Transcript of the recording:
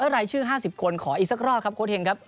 รายชื่อ๕๐คนขออีกสักรอบครับโค้เฮงครับ